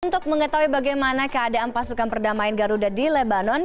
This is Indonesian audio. untuk mengetahui bagaimana keadaan pasukan perdamaian garuda di lebanon